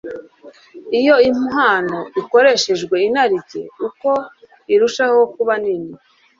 Iyo impano ikoresherejwe inarijye, uko intshaho kuba nini